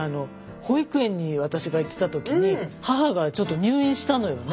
保育園に私が行ってた時に母がちょっと入院したのよね。